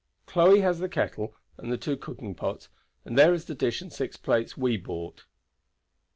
Chloe has the kettle and two cooking pots, and there is the dish and six plates we bought."